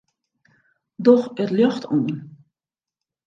Doch it ljocht oan.